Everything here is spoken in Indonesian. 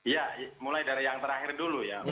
ya mulai dari yang terakhir dulu ya